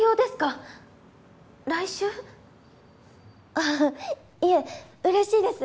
ああいえ嬉しいです。